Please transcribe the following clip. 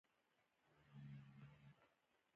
سپیني غوښي د صحت لپاره نه دي ښه.